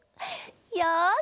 よし！